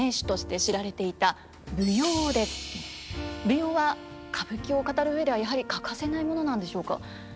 舞踊は歌舞伎を語る上ではやはり欠かせないものなんでしょうか。